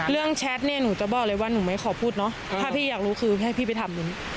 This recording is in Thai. แชทเนี่ยหนูจะบอกเลยว่าหนูไม่ขอพูดเนอะถ้าพี่อยากรู้คือให้พี่ไปทำนู้น